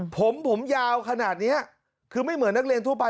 ผมผมยาวขนาดนี้คือไม่เหมือนนักเรียนทั่วไป